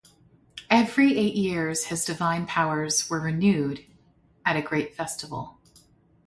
Every eight years his divine powers were renewed at a great festival.